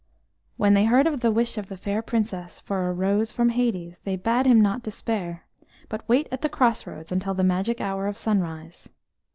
When they heard of the wish of the fair Princess for a rose from Hades they bade him not despair, but wait at the crossroads until the magic hour of sunrise.